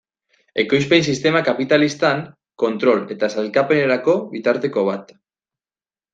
Ekoizpen sistema kapitalistan, kontrol eta sailkapenerako bitarteko bat.